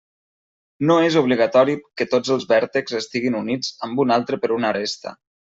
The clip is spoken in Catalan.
No és obligatori que tots els vèrtexs estiguin units amb un altre per una aresta.